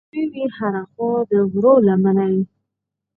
زرغونې وې هره خوا د غرو لمنې